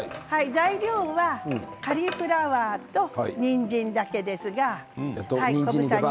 材料はカリフラワーとにんじんだけです。